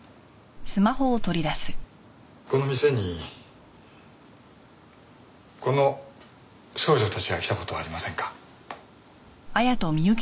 この店にこの少女たちが来た事はありませんか？